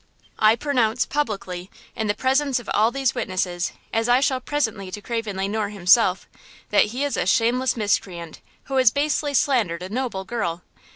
"I pronounce–publicly, in the presence of all these witnesses, as I shall presently to Craven Le Noir himself–that he is a shameless miscreant, who has basely slandered a noble girl!